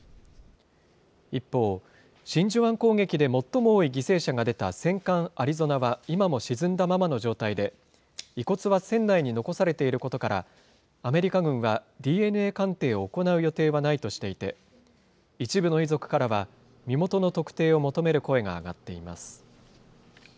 一方、真珠湾攻撃で最も多い犠牲者が出た戦艦アリゾナは今も沈んだままの状態で、遺骨は船内に残されていることから、アメリカ軍はＤＮＡ鑑定を行う予定はないとしていて、一部の遺族からは身元の特定を求める声が上がっています。